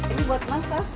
ini buat nangka